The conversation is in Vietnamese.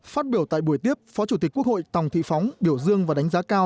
phát biểu tại buổi tiếp phó chủ tịch quốc hội tòng thị phóng biểu dương và đánh giá cao